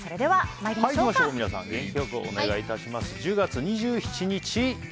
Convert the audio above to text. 皆さん、元気良くお願いします。